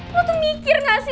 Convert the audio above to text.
lo tuh mikir gak sih